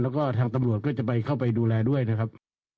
แล้วก็ทางตำรวจก็จะไปเข้าไปดูแลด้วยนะครับ